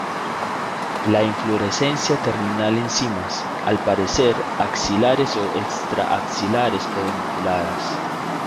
La inflorescencia terminal en cimas, al parecer, axilares o extra-axilares, pedunculadas.